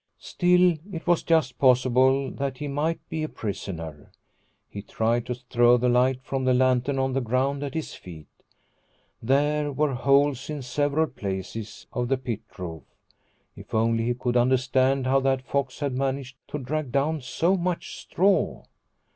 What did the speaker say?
Still it was just possible that he might be a prisoner. He tried to throw the light from the lantern on the ground at his feet. There were holes in several places of the pit roof. If only he could understand how that fox had managed to drag down so much straw.